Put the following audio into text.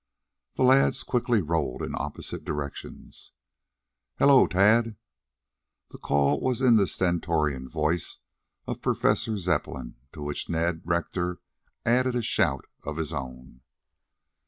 The lads quickly rolled in opposite directions. "Hallo o, Tad!" The call was in the stentorian voice of Professor Zepplin, to which Ned Rector added a shout of his own.